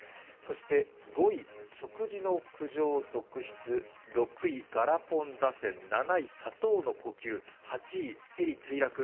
そして５位、食事の苦情続出、６位、ガラポン打線、７位、砂糖の呼吸、８位、ヘリ墜落。